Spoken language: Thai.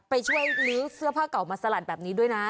ไปช่วยลื้อเสื้อผ้าเก่ามาสลัดแบบนี้ด้วยนะ